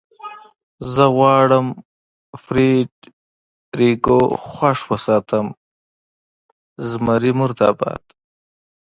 زه غواړم فرېډرېکو خوښ وساتم، زمري مرده باد.